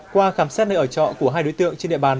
qua khám xét nơi ở trọ của hai đối tượng trên địa bàn